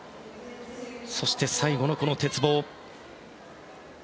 そして最後の鉄棒。